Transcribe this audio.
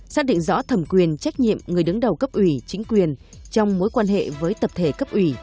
xác định rõ thẩm quyền trách nhiệm người đứng đầu cấp ủy chính quyền trong mối quan hệ với tập thể cấp ủy